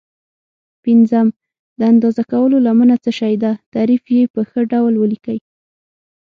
پنځم: د اندازه کولو لمنه څه شي ده؟ تعریف یې په ښه ډول ولیکئ.